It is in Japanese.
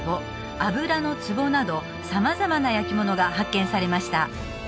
油の壺など様々な焼き物が発見されました